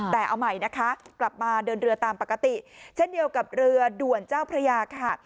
แต่เอาใหม่นะคะกลับมาเดินเรือตามปกติเช่นเดียวกับเรือด่วนเจ้าพระยาค่ะ